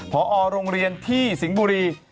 พอโรงเรียนที่สิงห์บุรี